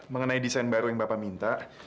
mengenai desain baru yang bapak minta